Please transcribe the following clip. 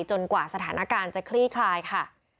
กว่าสถานการณ์จะคลี่คลายค่ะ